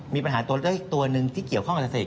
มีปัญหาตัวเลือกอีกตัวหนึ่งที่เกี่ยวข้องกับเกษตร